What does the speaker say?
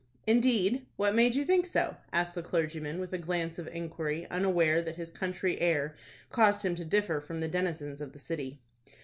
"Indeed! What made you think so?" asked the clergyman, with a glance of inquiry, unaware that his country air caused him to differ from the denizens of the city.